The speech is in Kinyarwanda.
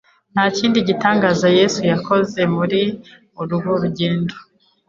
Nta kindi gitangaza Yesu yakoze muri urwo rugendo.